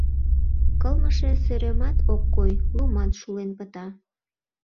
Кылмыше сӧремат ок кой, лумат шулен пыта.